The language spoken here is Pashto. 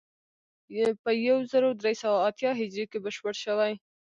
په یو زر درې سوه اتیا هجري کې بشپړ شوی.